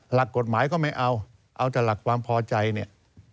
หลักกฎหมายก็ไม่เอาเอาแต่หลักความพอใจเนี่ย